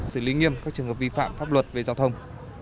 xử lý nghiêm các trường hợp vi phạm pháp luật về giao thông